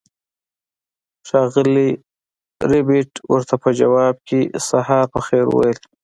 ښاغلي ربیټ ورته په ځواب کې سهار په خیر وویل